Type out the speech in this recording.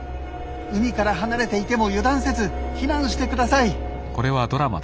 海から離れていても油断せず避難してください」。